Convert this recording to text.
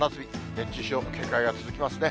熱中症、警戒が続きますね。